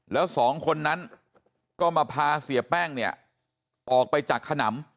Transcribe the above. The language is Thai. แล้วสองคนนั้นก็มาพาเสียแป้งเนี่ยออกไปจากขนำ